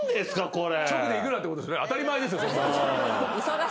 これ。